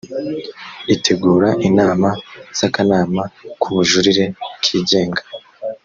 itegura inama z akanama k ubujurire kigenga